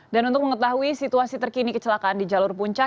dan untuk mengetahui situasi terkini kecelakaan di jalur puncak